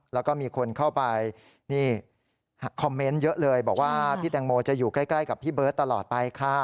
แล้วก็มีคนเข้าไปนี่คอมเมนต์เยอะเลยบอกว่าพี่แตงโมจะอยู่ใกล้กับพี่เบิร์ตตลอดไปค่ะ